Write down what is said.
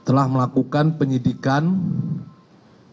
serta peningkan penindakan terorisme dan peningkan penindakan terorisme